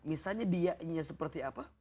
misalnya dianya seperti apa